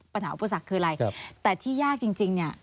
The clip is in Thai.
อุปสรรคคืออะไรแต่ที่ยากจริงเนี่ย